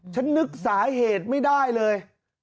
ฉันนึกสาเหตุไม่ได้เลย